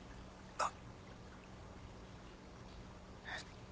あっ。